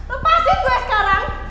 ah lepasin gue sekarang